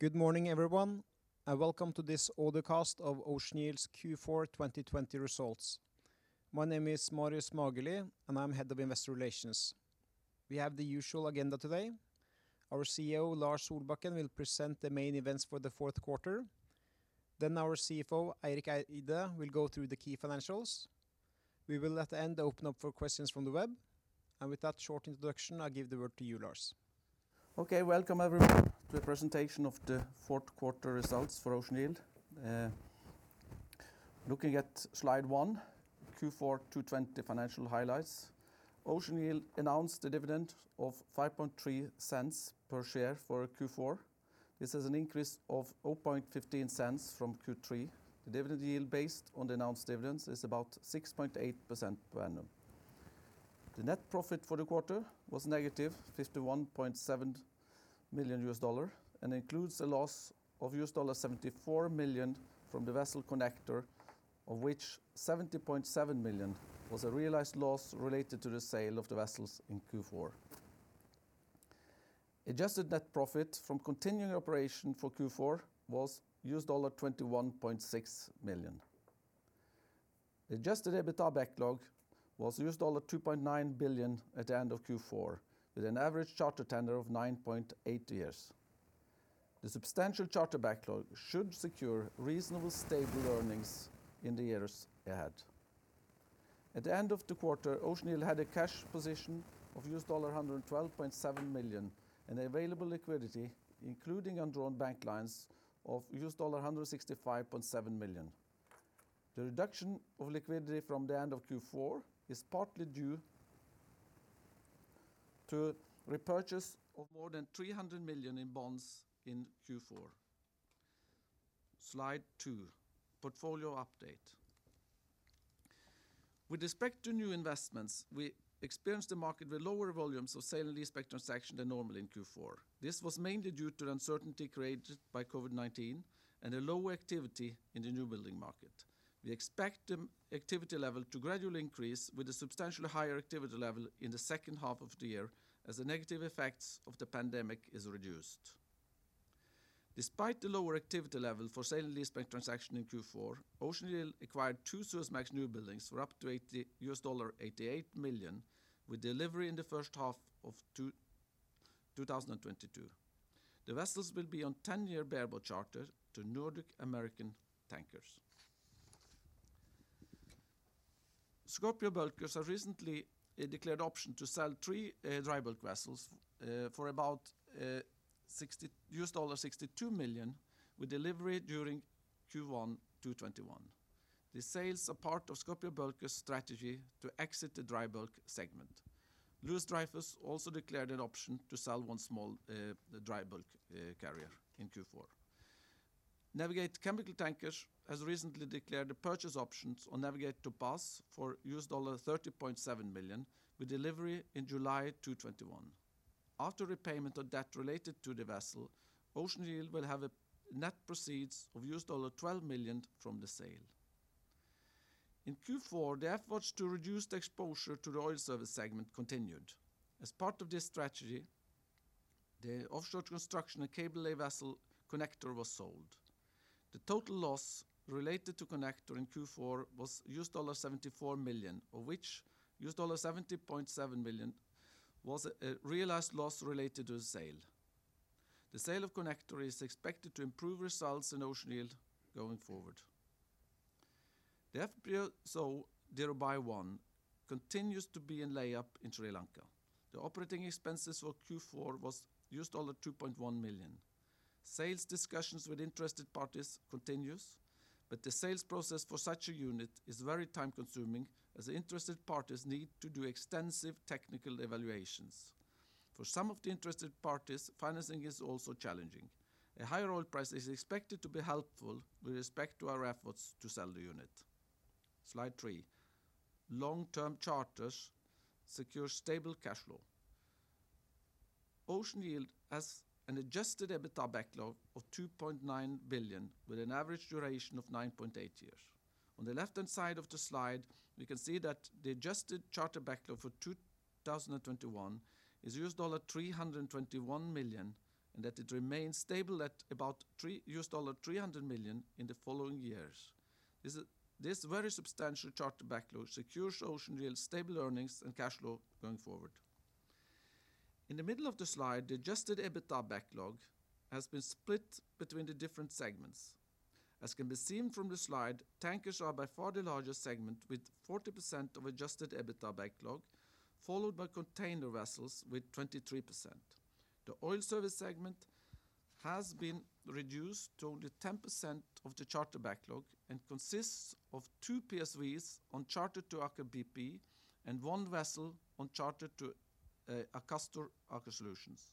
Good morning, everyone, and welcome to this audio cast of Ocean Yield's Q4 2020 results. My name is Marius Magelie, and I'm Head of Investor Relations. We have the usual agenda today. Our CEO, Lars Solbakken, will present the main events for the fourth quarter. Our CFO, Eirik Eide, will go through the key financials. We will, at the end, open up for questions from the web. With that short introduction, I give the word to you, Lars. Welcome, everyone, to the presentation of the fourth quarter results for Ocean Yield. Looking at slide one, Q4 2020 financial highlights. Ocean Yield announced a dividend of $0.053 per share for Q4. This is an increase of $0.0015 from Q3. The dividend yield based on the announced dividends is about 6.8% per annum. The net profit for the quarter was-$51.7 million and includes a loss of $74 million from the vessel Connector, of which $70.7 million was a realized loss related to the sale of the vessels in Q4. Adjusted net profit from continuing operation for Q4 was $21.6 million. Adjusted EBITDA backlog was $2.9 billion at the end of Q4, with an average charter tenor of 9.8 years. The substantial charter backlog should secure reasonable stable earnings in the years ahead. At the end of the quarter, Ocean Yield had a cash position of $112.7 million and available liquidity, including undrawn bank lines of $165.7 million. The reduction of liquidity from the end of Q4 is partly due to repurchase of more than 300 million in bonds in Q4. Slide two, portfolio update. With respect to new investments, we experienced a market with lower volumes of sale and lease-back transactions than normal in Q4. This was mainly due to the uncertainty created by COVID-19 and a lower activity in the new building market. We expect the activity level to gradually increase with a substantially higher activity level in the second half of the year as the negative effects of the pandemic is reduced. Despite the lower activity level for sale and lease-back transaction in Q4, Ocean Yield acquired two Suezmax new buildings for up to $88 million, with delivery in the first half of 2022. The vessels will be on 10-year bareboat charter to Nordic American Tankers. Scorpio Bulkers have recently declared option to sell three dry bulk vessels for about $62 million, with delivery during Q1 2021. The sale is a part of Scorpio Bulkers strategy to exit the dry bulk segment. Louis Dreyfus also declared an option to sell one small dry bulk carrier in Q4. Navig8 Chemical Tankers has recently declared the purchase options on Navig8 Topaz for $30.7 million, with delivery in July 2021. After repayment of debt related to the vessel, Ocean Yield will have a net proceeds of $12 million from the sale. In Q4, the efforts to reduce the exposure to the oil service segment continued. As part of this strategy, the offshore construction and cable lay vessel Connector was sold. The total loss related to Connector in Q4 was $74 million, of which $70.7 million was a realized loss related to the sale. The sale of Connector is expected to improve results in Ocean Yield going forward. The FPSO Dhirubhai-1 continues to be in layup in Sri Lanka. The operating expenses for Q4 was $2.1 million. Sales discussions with interested parties continues, but the sales process for such a unit is very time-consuming, as interested parties need to do extensive technical evaluations. For some of the interested parties, financing is also challenging. A higher oil price is expected to be helpful with respect to our efforts to sell the unit. Slide three, long-term charters secure stable cash flow. Ocean Yield has an adjusted EBITDA backlog of $2.9 billion, with an average duration of 9.8 years. On the left-hand side of the slide, we can see that the adjusted charter backlog for 2021 is US$321 million, and that it remains stable at about $300 million in the following years. This very substantial charter backlog secures Ocean Yield stable earnings and cash flow going forward. In the middle of the slide, the adjusted EBITDA backlog has been split between the different segments. As can be seen from the slide, tankers are by far the largest segment, with 40% of adjusted EBITDA backlog, followed by container vessels with 23%. The oil service segment has been reduced to only 10% of the charter backlog and consists of two PSVs on charter to Aker BP and one vessel on charter to Akastor, Aker Solutions.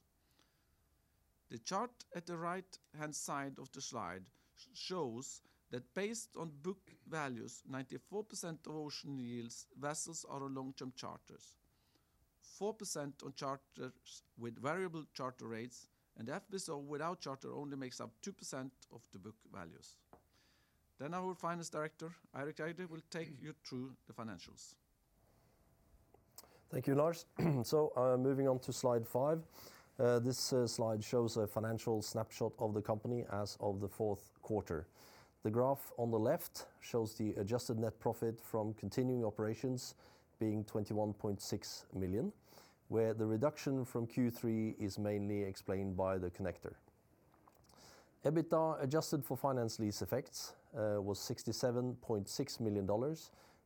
The chart at the right-hand side of the slide shows that based on book values, 94% of Ocean Yield vessels are on long-term charters. 4% on charters with variable charter rates and FPSO without charter only makes up 2% of the book values. Our Finance Director, Eirik Eide, will take you through the financials. Thank you, Lars. Moving on to slide five. This slide shows a financial snapshot of the company as of the fourth quarter. The graph on the left shows the adjusted net profit from continuing operations being $21.6 million, where the reduction from Q3 is mainly explained by the Connector. EBITDA adjusted for finance lease effects was $67.6 million,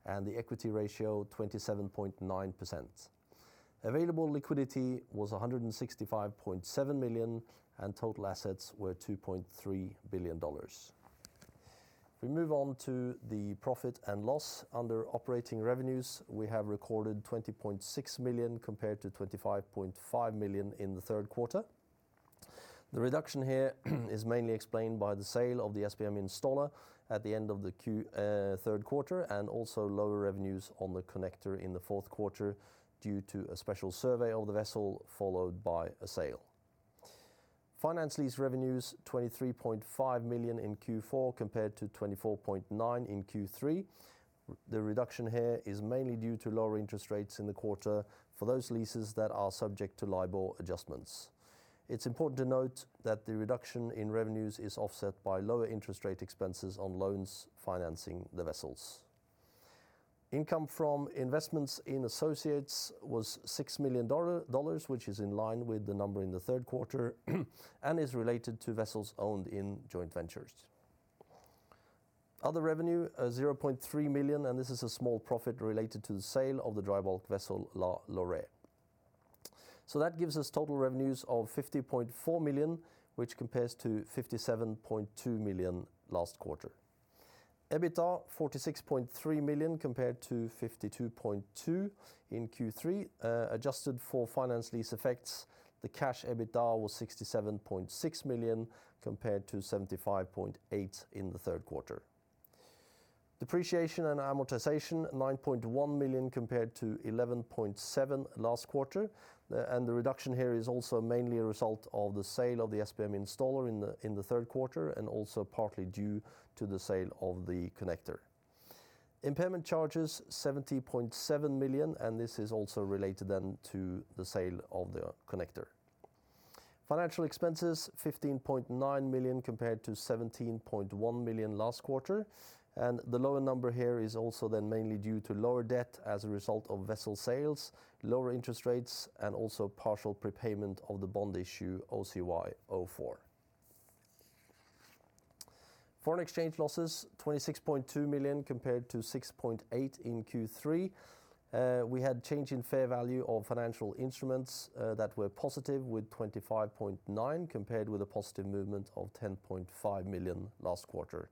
and the equity ratio 27.9%. Available liquidity was $165.7 million, and total assets were $2.3 billion. If we move on to the profit and loss. Under operating revenues, we have recorded $20.6 million compared to $25.5 million in the third quarter. The reduction here is mainly explained by the sale of the SBM Installer at the end of the third quarter and also lower revenues on the Connector in the fourth quarter due to a special survey of the vessel followed by a sale. Finance lease revenues $23.5 million in Q4 compared to $24.9 million in Q3. The reduction here is mainly due to lower interest rates in the quarter for those leases that are subject to LIBOR adjustments. It's important to note that the reduction in revenues is offset by lower interest rate expenses on loans financing the vessels. Income from investments in associates was $6 million, which is in line with the number in the third quarter and is related to vessels owned in joint ventures. Other revenue, $0.3 million, this is a small profit related to the sale of the dry bulk vessel La Loirais. That gives us total revenues of $50.4 million, which compares to $57.2 million last quarter. EBITDA $46.3 million compared to $52.2 million in Q3. Adjusted for finance lease effects, the cash EBITDA was $67.6 million compared to $75.8 million in the third quarter. Depreciation and amortization $9.1 million compared to $11.7 million last quarter. The reduction here is also mainly a result of the sale of the SBM Installer in the third quarter and also partly due to the sale of the Connector. Impairment charges $70.7 million, and this is also related then to the sale of the Connector. Financial expenses $15.9 million compared to $17.1 million last quarter, and the lower number here is also then mainly due to lower debt as a result of vessel sales, lower interest rates, and also partial prepayment of the bond issue OCY04. Foreign exchange losses $26.2 million compared to $6.8 million in Q3. We had change in fair value of financial instruments that were positive with $25.9 million compared with a positive movement of $10.5 million last quarter.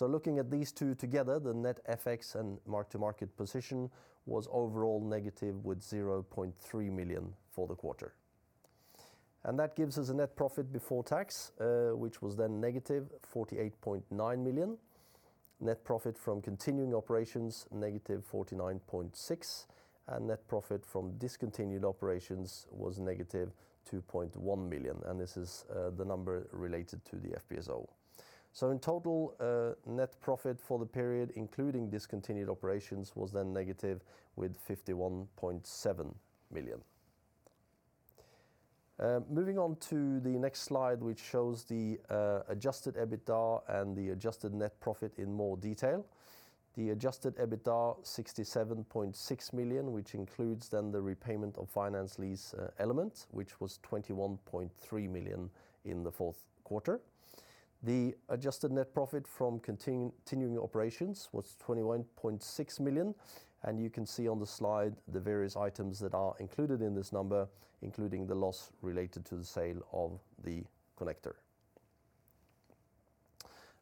Looking at these two together, the net FX and mark-to-market position was overall negative with $0.3 million for the quarter. That gives us a net profit before tax, which was-$48.9 million. Net profit from continuing operations was -$49.6 million and net profit from discontinued operations was -$2.1 million and this is the number related to the FPSO. In total, net profit for the period including discontinued operations was negative with $51.7 million. Moving on to the next slide, which shows the adjusted EBITDA and the adjusted net profit in more detail. The adjusted EBITDA $67.6 million, which includes the repayment of finance lease element, which was $21.3 million in the fourth quarter. The adjusted net profit from continuing operations was $21.6 million and you can see on the slide the various items that are included in this number, including the loss related to the sale of the Connector.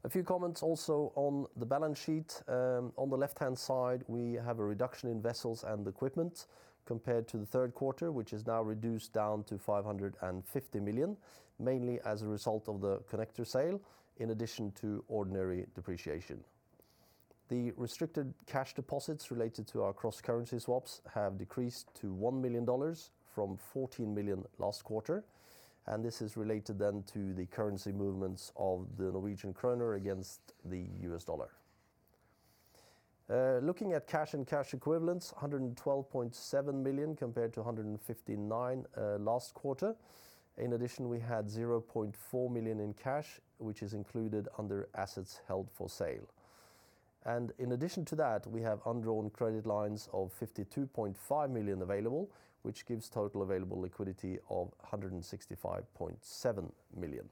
A few comments also on the balance sheet. On the left-hand side, we have a reduction in vessels and equipment compared to the third quarter, which is now reduced down to $550 million, mainly as a result of the Connector sale in addition to ordinary depreciation. The restricted cash deposits related to our cross-currency swaps have decreased to $1 million from $14 million last quarter, and this is related then to the currency movements of the Norwegian kroner against the U.S. dollar. Looking at cash and cash equivalents, $112.7 million compared to $159 million last quarter. In addition, we had $0.4 million in cash, which is included under assets held for sale. In addition to that, we have undrawn credit lines of $52.5 million available, which gives total available liquidity of $165.7 million.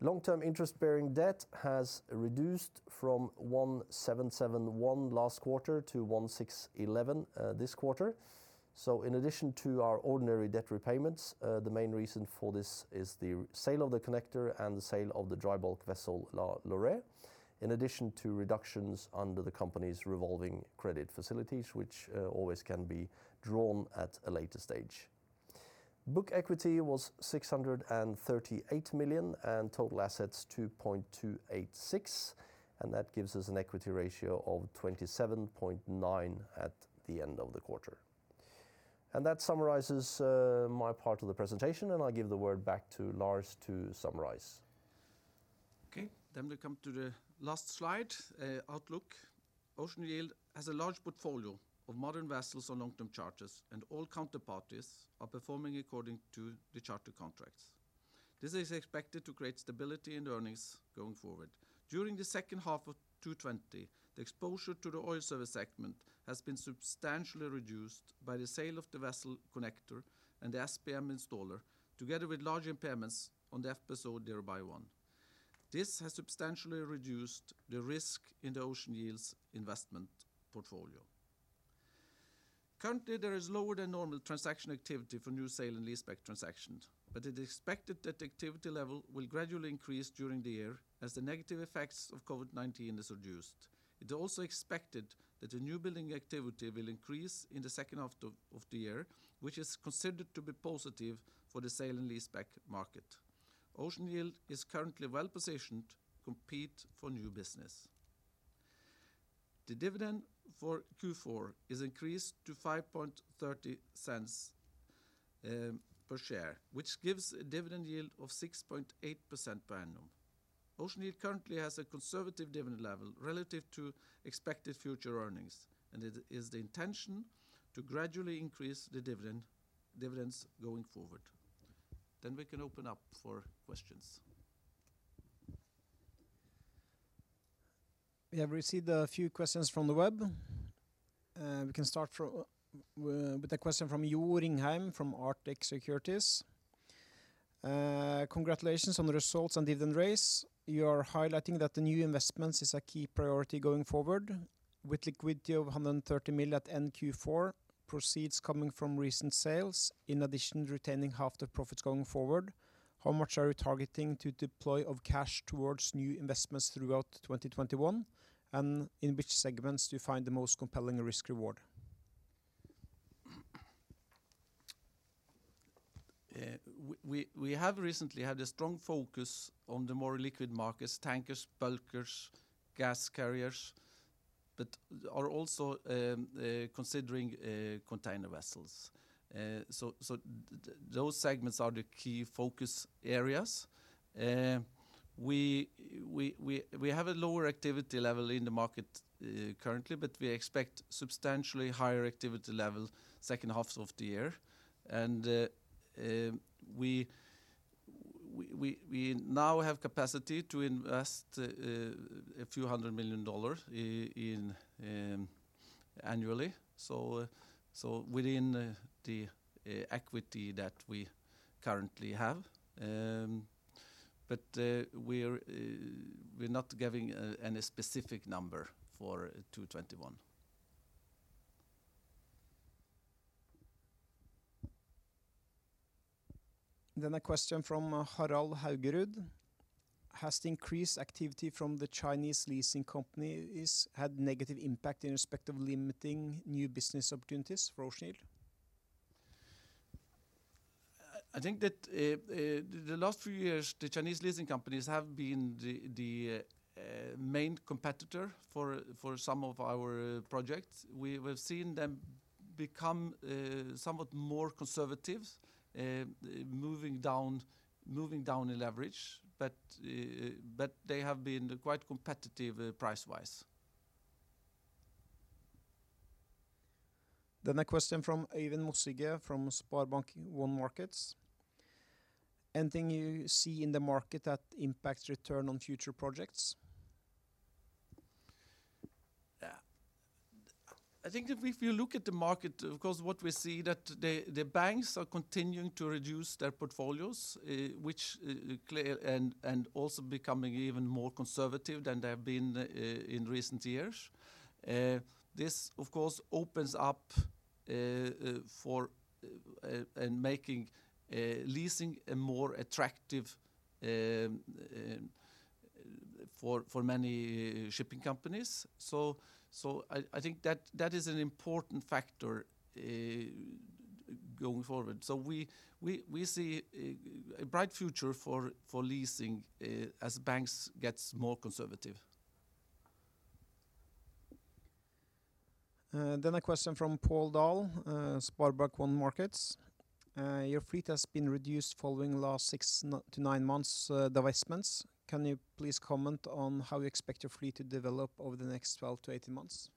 Long-term interest-bearing debt has reduced from $1,771 last quarter to $1,611 this quarter. In addition to our ordinary debt repayments, the main reason for this is the sale of the Connector and the sale of the dry bulk vessel La Loirais, in addition to reductions under the company's revolving credit facilities, which always can be drawn at a later stage. Book equity was $638 million and total assets $2.286 billion. That gives us an equity ratio of 27.9% at the end of the quarter. That summarizes my part of the presentation, and I'll give the word back to Lars to summarize. Okay. We come to the last slide, outlook. Ocean Yield has a large portfolio of modern vessels on long-term charters, and all counterparties are performing according to the charter contracts. This is expected to create stability and earnings going forward. During the second half of 2020, the exposure to the oil service segment has been substantially reduced by the sale of the vessel Connector and the SBM Installer, together with large impairments on the FPSO Dhirubhai-1. This has substantially reduced the risk in the Ocean Yield's investment portfolio. Currently, there is lower than normal transaction activity for new sale and leaseback transactions, but it is expected that the activity level will gradually increase during the year as the negative effects of COVID-19 is reduced. It is also expected that the new building activity will increase in the second half of the year, which is considered to be positive for the sale and leaseback market. Ocean Yield is currently well-positioned to compete for new business. The dividend for Q4 is increased to $0.0530 per share, which gives a dividend yield of 6.8% per annum. Ocean Yield currently has a conservative dividend level relative to expected future earnings, and it is the intention to gradually increase the dividends going forward. We can open up for questions. We have received a few questions from the web. We can start with a question from Jo Ringheim from Arctic Securities. Congratulations on the results and dividend raise. You are highlighting that the new investments is a key priority going forward. With liquidity of $130 million at end Q4, proceeds coming from recent sales, in addition, retaining half the profits going forward, how much are you targeting to deploy of cash towards new investments throughout 2021? In which segments do you find the most compelling risk-reward? We have recently had a strong focus on the more liquid markets, tankers, bulkers, gas carriers, are also considering container vessels. Those segments are the key focus areas. We have a lower activity level in the market currently, we expect substantially higher activity level second half of the year. We now have capacity to invest a few hundred million dollars annually, within the equity that we currently have. We're not giving any specific number for 2021. A question from [Harald Haugerud]. Has the increased activity from the Chinese leasing companies had negative impact in respect of limiting new business opportunities for Ocean Yield? I think that the last few years, the Chinese leasing companies have been the main competitor for some of our projects. We have seen them become somewhat more conservative, moving down in leverage. They have been quite competitive price-wise. A question from Øyvind Mossige from SpareBank 1 Markets. Anything you see in the market that impacts return on future projects? Yeah. I think that if you look at the market, of course, what we see that the banks are continuing to reduce their portfolios and also becoming even more conservative than they have been in recent years. This, of course, opens up and making leasing more attractive for many shipping companies. I think that is an important factor going forward. We see a bright future for leasing as banks gets more conservative. A question from Pål Dahl, Sparebank 1 Markets. Your fleet has been reduced following last six to nine months divestments. Can you please comment on how you expect your fleet to develop over the next 12-18 months?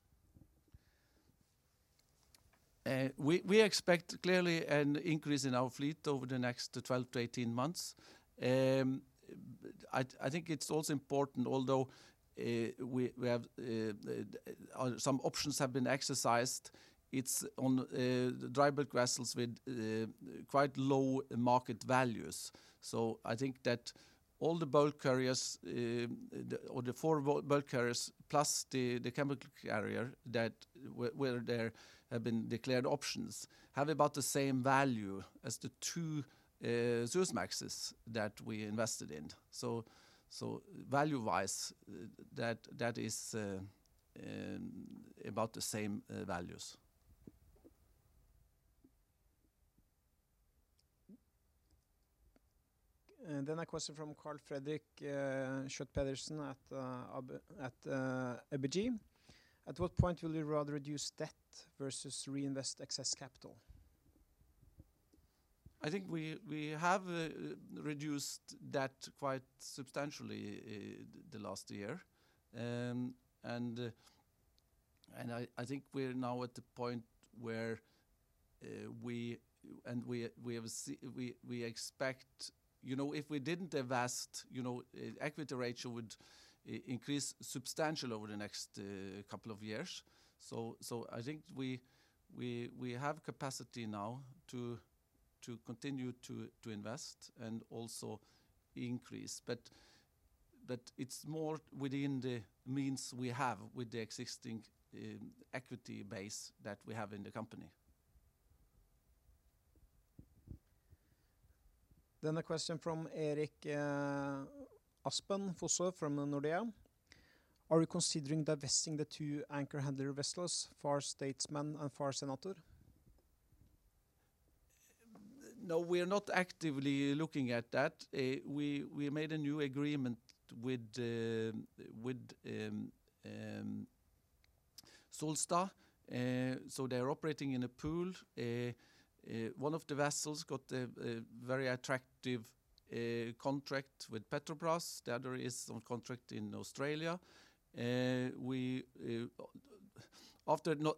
We expect clearly an increase in our fleet over the next to 12-18 months. I think it's also important, although some options have been exercised, it's on dry bulk vessels with quite low market values. I think that all the bulk carriers or the four bulk carriers plus the chemical carrier where there have been declared options have about the same value as the two Suezmaxes that we invested in. Value-wise, that is about the same values. A question from Karl Fredrik Schjøtt-Pedersen at ABG. At what point will you rather reduce debt versus reinvest excess capital? I think we have reduced debt quite substantially the last year. I think we are now at the point where we expect If we didn't divest, equity ratio would increase substantial over the next couple of years. I think we have capacity now to continue to invest and also increase. It's more within the means we have with the existing equity base that we have in the company. A question from Erik Aspen Fosså from Nordea. Are you considering divesting the two anchor handler vessels, Far Statesman and Far Senator? No, we are not actively looking at that. We made a new agreement with Solstad, so they are operating in a pool. One of the vessels got a very attractive contract with Petrobras. The other is on contract in Australia. After not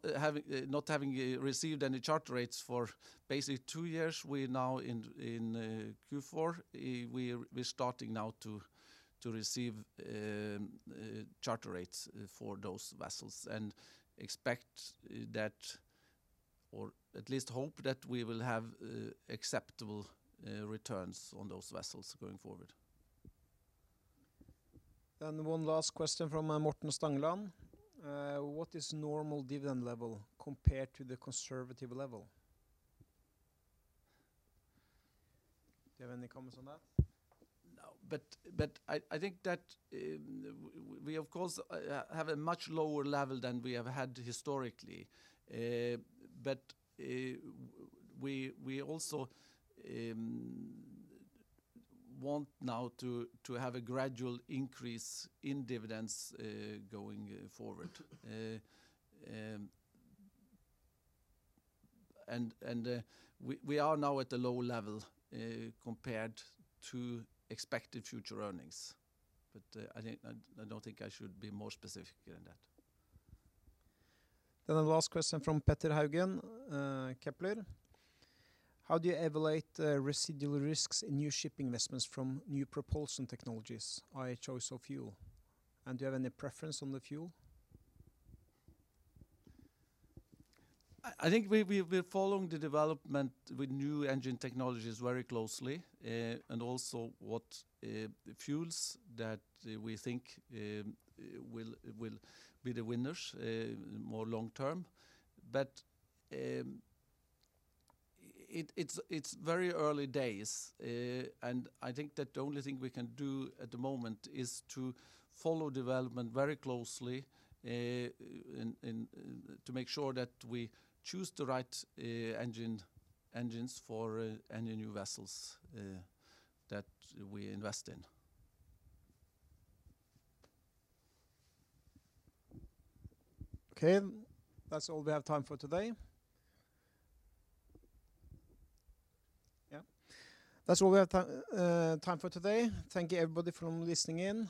having received any charter rates for basically two years, we're now in Q4. We're starting now to receive charter rates for those vessels and expect that, or at least hope that we will have acceptable returns on those vessels going forward. One last question from [Morten Stangeland]. What is normal dividend level compared to the conservative level? Do you have any comments on that? No. I think that we, of course, have a much lower level than we have had historically. We also want now to have a gradual increase in dividends going forward. We are now at a low level compared to expected future earnings. I don't think I should be more specific than that. The last question from Petter Haugen, Kepler. How do you evaluate residual risks in new shipping investments from new propulsion technologies, i.e., choice of fuel? Do you have any preference on the fuel? I think we're following the development with new engine technologies very closely, and also what fuels that we think will be the winners more long-term. It's very early days, and I think that the only thing we can do at the moment is to follow development very closely to make sure that we choose the right engines for any new vessels that we invest in. Okay. That's all we have time for today. Yeah. That's all we have time for today. Thank you, everybody, for listening in.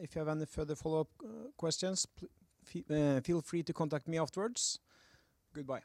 If you have any further follow-up questions, feel free to contact me afterwards. Goodbye.